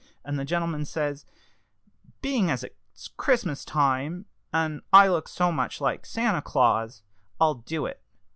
And the gentleman, says he, 'Being as it's Christmas time, and I look so much like Santa Claus, I'll do it.'